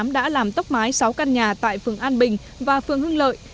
đã làm tốc mái sáu căn nhà tại phường an bình và phường hưng lợi